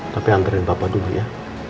tapi anterin papa dulu ya